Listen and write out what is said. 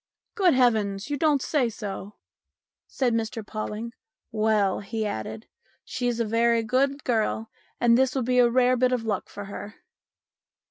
" Good heavens ! you don't say so ?" said Mr Pawling. "Well," he added, "she's a very good girl, and this will be a rare bit of luck for her."